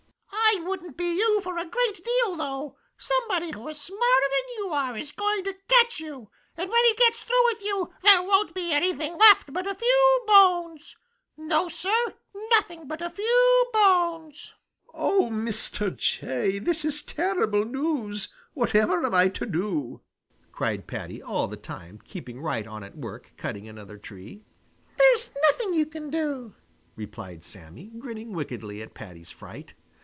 "I wouldn't be you for a great deal though! Somebody who is smarter than you are is going to catch you, and when he gets through with you, there won't be anything left but a few bones. No, Sir, nothing but a few bones!" "Oh, Mr. Jay, this is terrible news! Whatever am I to do?" cried Paddy, all the time keeping right on at work cutting another tree. "There's nothing you can do," replied Sammy, grinning wickedly at Paddy's fright.